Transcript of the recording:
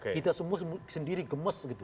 kita semua sendiri gemes gitu